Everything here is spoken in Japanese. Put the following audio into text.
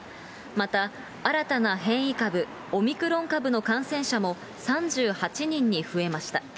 また新たな変異株、オミクロン株の感染者も３８人に増えました。